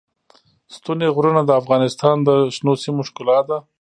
ستوني غرونه د افغانستان د شنو سیمو ښکلا ده.